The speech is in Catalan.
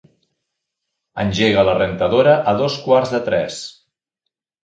Engega la rentadora a dos quarts de tres.